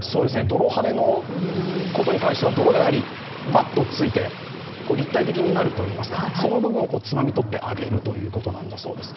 泥はねに関しては、泥がバッとついて立体的になるといいますか、その部分をつまみとってあげるということなんだそうです。